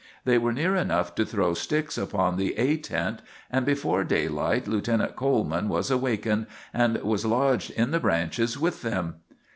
They were near enough to throw sticks upon the "A" tent, and before daylight Lieutenant Coleman was awakened and was lodged in the branches with them.